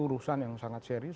urusan yang sangat serius